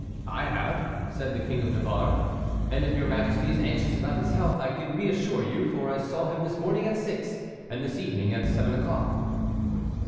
"I have," said the King of Navarre; "and if your Majesty is anxious about his health, I can reassure you, for I saw him this morning at six, and this evening at seven o'clock."